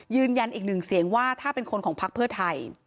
ยืนยันอีกหนึ่งเสียงว่าถ้าเป็นคนของพักเพื่อไทย